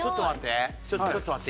ちょっと待って。